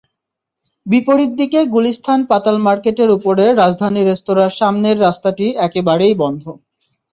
বিপরীত দিকে গুলিস্তান পাতাল মার্কেটের ওপরে রাজধানী রেস্তোরাঁর সামনের রাস্তাটি একেবারেই বন্ধ।